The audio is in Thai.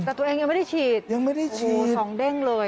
แต่ตัวเองยังไม่ได้ฉีด